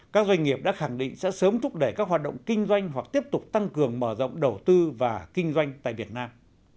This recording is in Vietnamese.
các doanh nghiệp đã khẳng định sẽ sớm thúc đẩy các hoạt động kinh doanh hoặc tiếp tục tăng cường mở rộng đầu tư và kinh doanh tại việt nam